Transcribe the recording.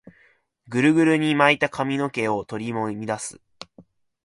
グルグルに巻いた髪の毛を振り乱す